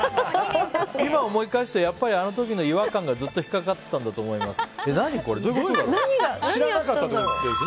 今思い返すとやっぱりあの時の違和感がずっと引っかかっていたんだと思います。